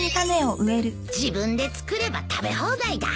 自分で作れば食べ放題だ。